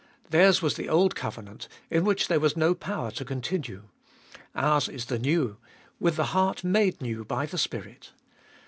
Theirs was the old covenant, in which there was no power to continue ; ours is the new, with the heart made new by the Spirit.